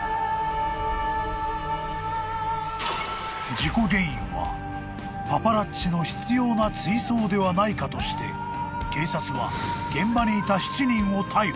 ［事故原因はパパラッチの執拗な追走ではないかとして警察は現場にいた７人を逮捕］